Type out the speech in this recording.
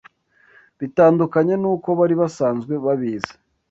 bitandukanye n’uko bari basanzwe babizi